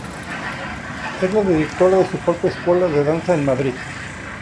Es la directora de su propia escuela de danza en Madrid.